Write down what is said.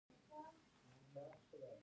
جنګ ورانی راوړي